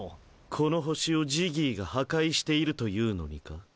この星をジギーが破壊しているというのにか？